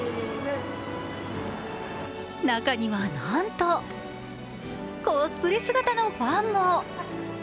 中には、なんとコスプレ姿のファンも。